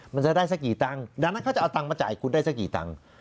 มันจะได้สักกี่ตังค์ดังนั้นเขาจะเอาตังค์มาจ่ายคุณได้สักกี่ตังค์